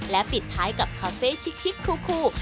และปิดท้ายกับคาเฟ่ชิคคู